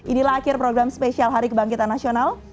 inilah akhir program spesial hari kebangkitan nasional